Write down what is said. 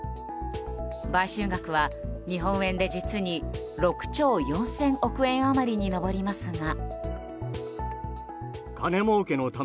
買収額は日本円で実に６兆４０００億円余りに上りますが。